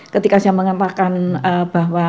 ketika saya mengatakan bahwa